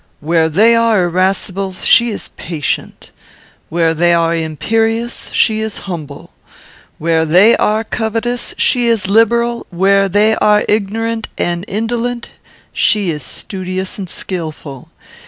Where they are irascible, she is patient; where they are imperious, she is humble; where they are covetous, she is liberal; where they are ignorant and indolent, she is studious and skilful.